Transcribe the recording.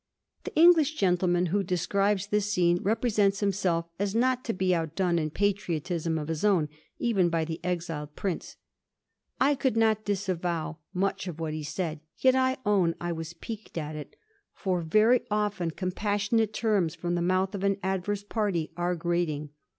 The English gentleman who de scribes this scene represents himself as not to be out done in patriotism of his own even by the exiled Prince. * I could not disavow much of what he said ; yet I own I was piqued at it, for very often compas sionate terms fi om the mouth of an adverse party are grating.